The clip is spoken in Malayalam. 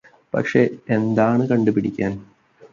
പക്ഷെ എന്താണ് കണ്ടുപിടിക്കാന്